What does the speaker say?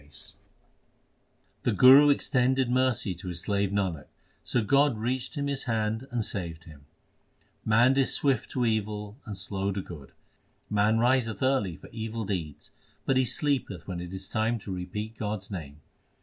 1 Divine knowledge. 390 THE SIKH RELIGION The Guru extended mercy to his slave Nanak, so God reached him His hand and saved him. Man is swift to evil and slow to good : Man riseth early for evil deeds ; But he sleepeth when it is time to repeat God s name.